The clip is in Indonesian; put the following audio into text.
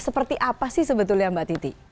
seperti apa sih sebetulnya mbak titi